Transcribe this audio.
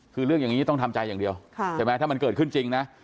คือเรื่องอย่างนี้ต้องทำใจอย่างเดียวใช่ไหมถ้ามันเกิดขึ้นจริงนะ